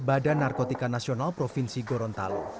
badan narkotika nasional provinsi gorontalo